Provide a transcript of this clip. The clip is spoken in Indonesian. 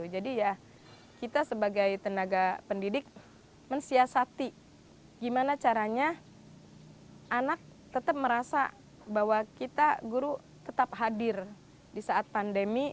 jadi ya kita sebagai tenaga pendidik mensiasati gimana caranya anak tetap merasa bahwa kita guru tetap hadir di saat pandemi